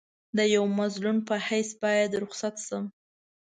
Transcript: د یوه مظلوم په حیث باید رخصت شم.